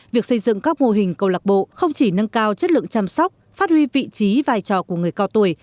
việc xây dựng các mô hình câu lạc bộ không chỉ nâng cao chất lượng chăm sóc phát huy vị trí vai trò của người cao tuổi